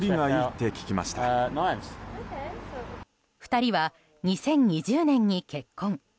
２人は２０２０年に結婚。